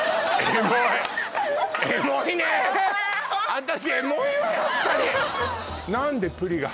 私エモいわやっぱり！